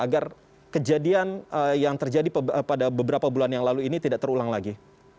agar kejadian yang terjadi pada beberapa bulan yang lalu ini tidak terulang lagi